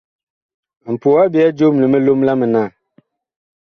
Mpoo a byɛɛ joom li milom la mitaan.